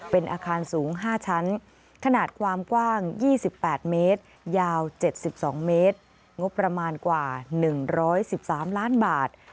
เป็นอาคารสูง๕ชั้นขนาดความกว้าง๒๘เมตรยาว๗๒เมตรงบประมาณกว่า๑๑๓ล้านบาท